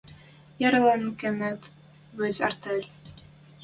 Ярлен кенӹт вӹц артель.